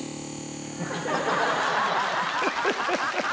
ハハハハ！